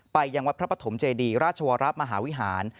ยังวัดพระปฐมเจดีราชวรมหาวิหาร